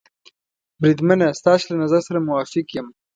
بریدمنه، ستاسې له نظر سره موافق یم.